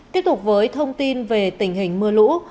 tiếp tục với thông tin về tình hình mưa lũ